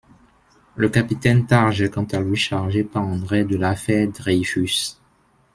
Le capitaine Targe est quant à lui chargé par André de l’affaire Dreyfus.